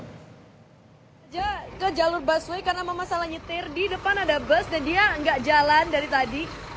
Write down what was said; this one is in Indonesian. saya ke jalur busway karena masalah nyetir di depan ada bus dan dia nggak jalan dari tadi